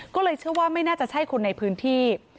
ก็เลยเชื่อว่าไม่น่าจะใช่คนในพื้นที่